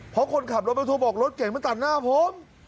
เพราะคนขับรถบรรทุกบอกรถเก่งมาตัดหน้าผม